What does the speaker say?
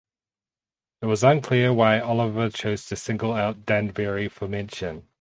It was unclear why Oliver chose to single out Danbury for mention.